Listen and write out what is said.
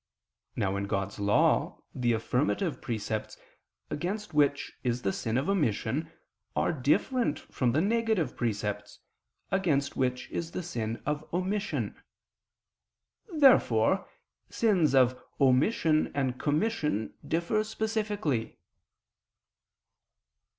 Now in God's law, the affirmative precepts, against which is the sin of omission, are different from the negative precepts, against which is the sin of omission. Therefore sins of omission and commission differ specifically.